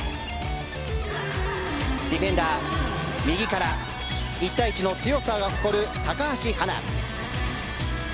ディフェンダー１対１の強さを誇る高橋はな。